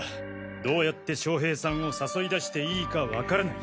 どうやって将平さんを誘い出していいかわからない。